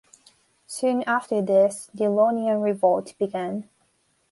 Soon after this, the Ionian Revolt began.